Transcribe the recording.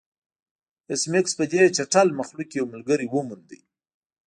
ایس میکس په دې چټل مخلوق کې یو ملګری وموند